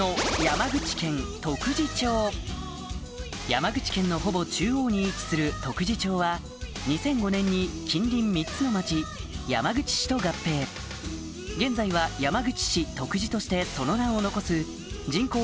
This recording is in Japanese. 山口県のほぼ中央に位置する徳地町は２００５年に近隣３つの町山口市と合併現在は山口市徳地としてその名を残す人口